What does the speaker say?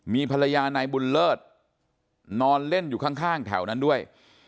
มีภรรยานายบุญเลิศนอนเล่นอยู่ข้างแถวนั้นด้วย